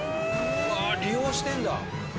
うわあ利用してるんだ。